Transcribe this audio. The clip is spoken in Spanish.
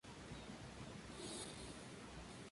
Hay una sala arqueológica.